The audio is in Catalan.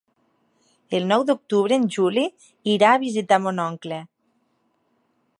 El nou d'octubre en Juli irà a visitar mon oncle.